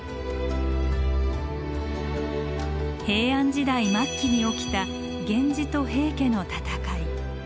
平安時代末期に起きた源氏と平家の戦い。